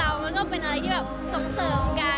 เขาทำให้เราเห็นนะคะว่าทำงานแล้วก็ยังแบบมีน้องได้